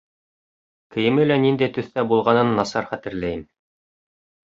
Кейеме лә ниндәй төҫтә булғанын насар хәтерләйем.